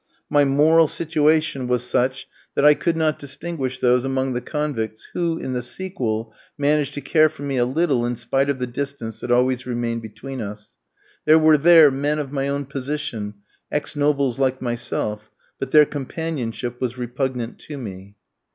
My moral situation was such that I could not distinguish those among the convicts who, in the sequel, managed to care for me a little in spite of the distance that always remained between us. There were there men of my own position, ex nobles like myself, but their companionship was repugnant to me.